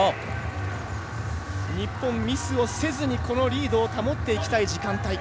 日本、ミスをせずにリードを保っていきたい時間帯。